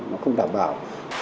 nó không đảm bảo